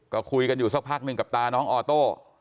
ก็คุยกันอยู่สักพักหนึ่งกับตาน้องออโต้